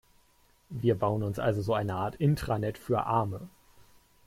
Wir bauen uns also so eine Art Intranet für Arme.